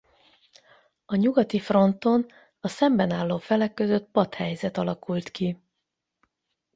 A nyugati fronton a szemben álló felek között patthelyzet alakult ki.